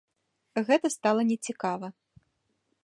Гэта стала не цікава.